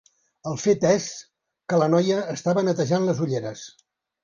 El fet és que la noia estava netejant les ulleres.